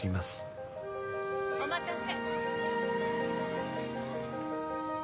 ・お待たせ。